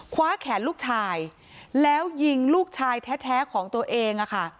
คว้าแขนลูกชายแล้วยิงลูกชายแท้ของตัวเอง